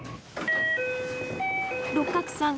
六角さん